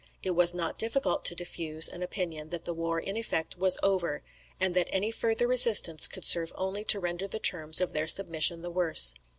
It was not difficult to diffuse an opinion that the war in effect was over; and that any further resistance could serve only to render the terms of their submission the worse.